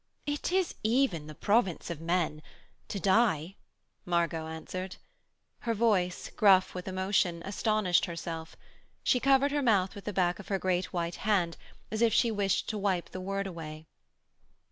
'It is even the province of men to die,' Margot answered. Her voice, gruff with emotion, astonished herself. She covered her mouth with the back of her great white hand as if she wished to wipe the word away.